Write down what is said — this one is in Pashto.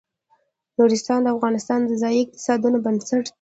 نورستان د افغانستان د ځایي اقتصادونو بنسټ دی.